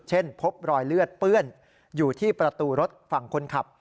เช่นพบรอยเลือดเปื้อนอยู่ที่ประตูรถฝั่งคนขับ